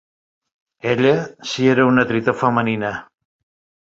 Ella, si era una Tritó femenina.